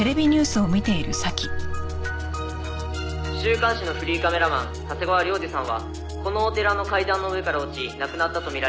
「週刊誌のフリーカメラマン長谷川亮二さんはこのお寺の階段の上から落ち亡くなったと見られています」